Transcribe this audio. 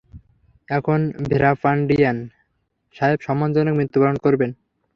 এখন ভীরাপান্ডিয়ান সাহেব সম্মানজনক মৃত্যু বরণ করবেন।